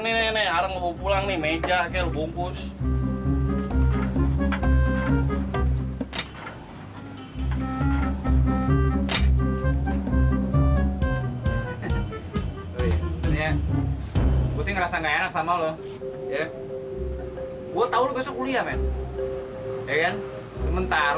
ini meja meja bumbu bumbu saya ngerasa nggak enak sama lu ya gua tahu besok kuliah men sementara